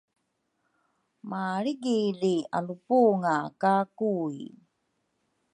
malrigili alupunga ka Kui.